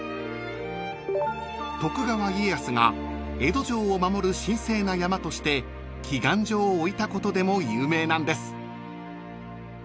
［徳川家康が江戸城を守る神聖な山として祈願所を置いたことでも有名なんです］